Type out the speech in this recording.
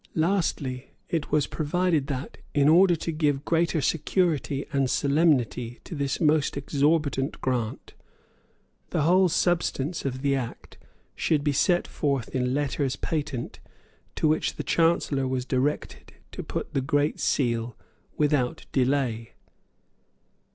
Lastly it was provided that, in order to give greater security and solemnity to this most exorbitant grant, the whole substance of the Act should be set forth in Letters Patent to which the Chancellor was directed to put the Great Seal without delay.